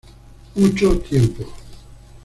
Mucho tiempo.